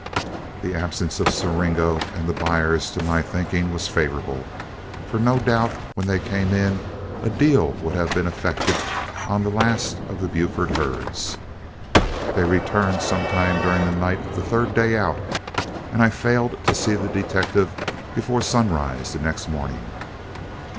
The absence of Siringo and the buyers, to my thinking, was favorable, for no doubt when they came in, a deal would have been effected on the last of the Buford herds. They returned some time during the night of the third day out, and I failed to see the detective before sunrise the next morning.